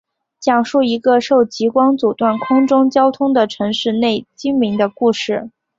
讲述一个受极光阻断空中交通的城市内居民的故事。